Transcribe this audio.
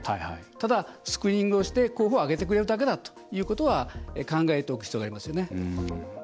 ただ、スクリーニングをして候補を挙げてくれるだけだということは考えておく必要がありますよね。